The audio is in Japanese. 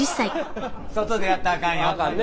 外でやったらあかんよ。